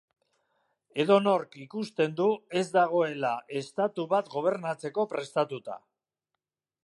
Edonork ikusten du ez dagoela estatu bat gobernatzeko prestatuta.